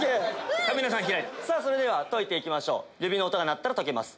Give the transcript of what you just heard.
それでは解いていきましょう指の音が鳴ったら解けます。